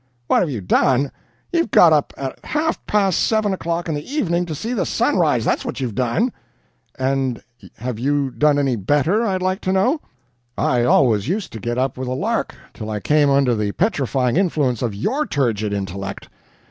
"What have you done? You've got up at half past seven o'clock in the evening to see the sun rise, that's what you've done." "And have you done any better, I'd like to know? I've always used to get up with the lark, till I came under the petrifying influence of your turgid intellect."